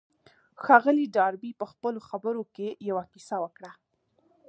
ښاغلي ډاربي په خپلو خبرو کې يوه کيسه وکړه.